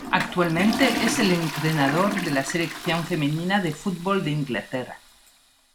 Actualmente es el entrenador de la Selección femenina de fútbol de Inglaterra.